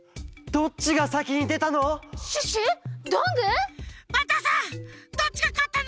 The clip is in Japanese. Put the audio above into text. どっちがかったの？